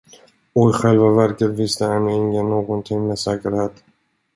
Och i själva verket visste ännu ingen någonting med säkerhet.